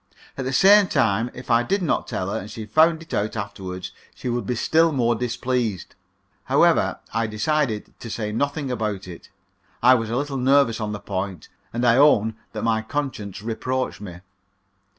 At the same time, if I did not tell her, and she found it out afterward, she would be still more displeased. However, I decided to say nothing about it. I was a little nervous on the point, and I own that my conscience reproached me.